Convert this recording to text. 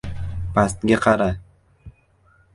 – Pastga qara!